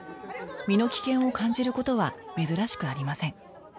身の危険を感じることは珍しくありません